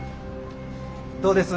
どうです？